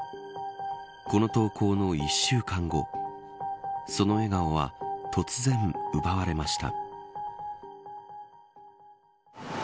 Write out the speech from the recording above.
この投稿の１週間後その笑顔は突然奪われました。